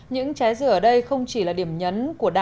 những trái dừa ở đây không chỉ là điểm nhấn